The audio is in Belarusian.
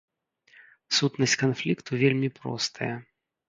Сутнасць канфлікту вельмі простая.